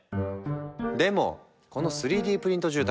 でもこの３Ｄプリント住宅